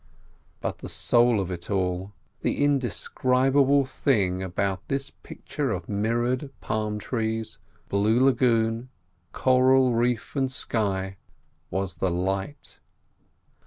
But the soul of it all, the indescribable thing about this picture of mirrored palm trees, blue lagoon, coral reef and sky, was the light.